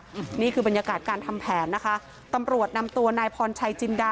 อืมนี่คือบรรยากาศการทำแผนนะคะตำรวจนำตัวนายพรชัยจินดา